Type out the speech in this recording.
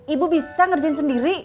ibu bisa ngerjain sendiri